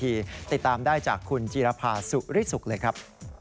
ติดตามได้จากคุณจีรภาสุริสุขเลยครับ